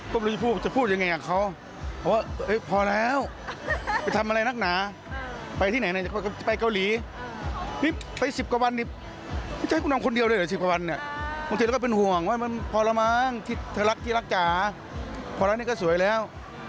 แต่พอกไปผมว่าเค้าทำมาเยอะแล้วก็พอแล้ว